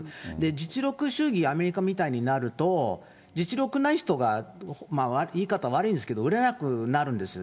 実力主義、アメリカみたいになると、実力ない人が、言い方、悪いんですが、売れなくなるんですよ。